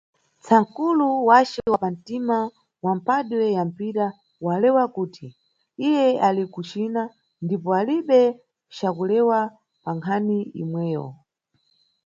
Tsankulu wace wa pa ntima wa mphanduwe ya mpira walewa kuti iye ali ku China, ndipo alibe ca kulewa pa nkhani imweyo.